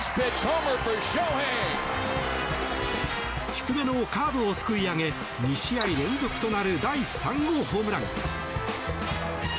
低めのカーブをすくい上げ２試合連続となる第３号ホームラン。